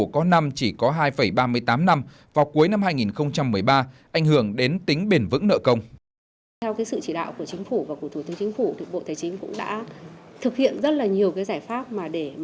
có năm chỉ có hai ba mươi tám năm vào cuối năm hai nghìn một mươi ba